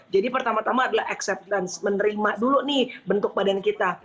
jadi pertama tama adalah acceptance menerima dulu nih bentuk badan kita